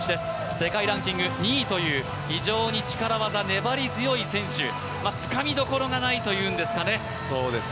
世界ランキング２位という非常に力技、粘り強い選手、つかみどころがないというんですかね。